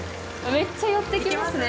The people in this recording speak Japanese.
めっちゃ寄ってきますね。